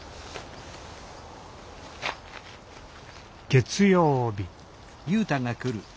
月曜日